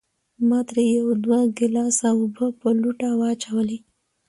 ما ترې يو دوه ګلاسه اوبۀ پۀ لوټه واچولې